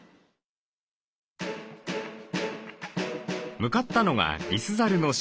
向かったのがリスザルの島。